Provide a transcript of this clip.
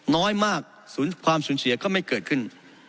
น้อยมากความสูญเสียก็ไม่เกิดขึ้น